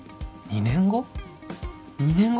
２年後？